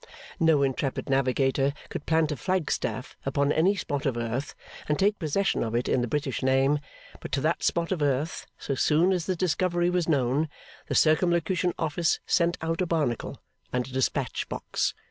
No intrepid navigator could plant a flag staff upon any spot of earth, and take possession of it in the British name, but to that spot of earth, so soon as the discovery was known, the Circumlocution Office sent out a Barnacle and a despatch box.